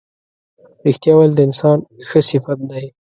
رښتیا ویل د انسان ښه صفت دی.